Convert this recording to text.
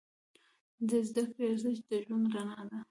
د زده کړې ارزښت د ژوند رڼا ده.